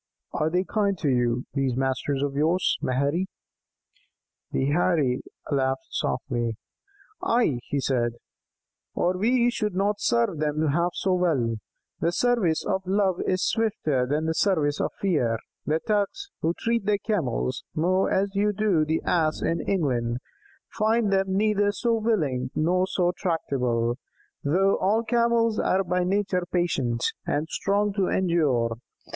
'" "Are they kind to you, these masters of yours, Maherry?" The Heirie laughed softly. "Ay," he said, "or we should not serve them half so well. The service of love is swifter than the service of fear; the Turks, who treat their Camels more as you do the Ass in England, find them neither so willing nor so tractable, though all Camels are by nature patient, and strong to endure.